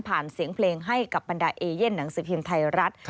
เสียงเพลงให้กับบรรดาเอเย่นหนังสือพิมพ์ไทยรัฐ